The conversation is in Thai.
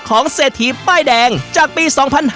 เศรษฐีป้ายแดงจากปี๒๕๕๙